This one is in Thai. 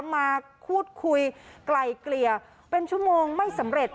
มาพูดคุยไกลเกลี่ยเป็นชั่วโมงไม่สำเร็จ